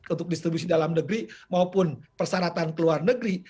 untuk distribusi dalam negeri maupun persyaratan ke luar negeri